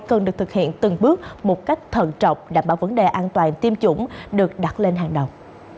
cần được thực hiện từng bước một cách thận trọng đảm bảo vấn đề an toàn tiêm chủng được đặt lên hàng đầu